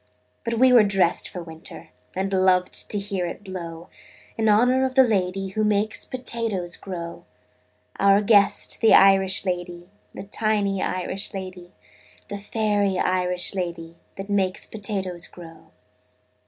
But we were dressed for winter, And loved to hear it blow In honor of the lady Who makes potatoes grow Our guest, the Irish lady, The tiny Irish lady, The fairy Irish lady That makes potatoes grow.